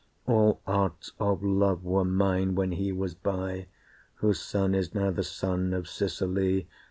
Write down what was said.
All arts of love were mine when he was by, Whose sun is now the sun of Sicily.